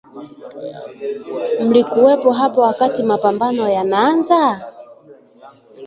"Mlikuwepo hapa wakati mapambano yanaanza?"